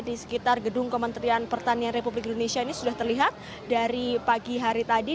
di sekitar gedung kementerian pertanian republik indonesia ini sudah terlihat dari pagi hari tadi